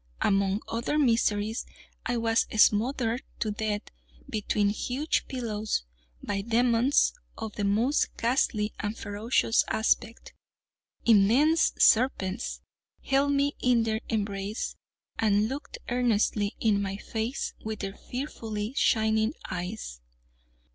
Among other miseries I was smothered to death between huge pillows, by demons of the most ghastly and ferocious aspect. Immense serpents held me in their embrace, and looked earnestly in my face with their fearfully shining eyes.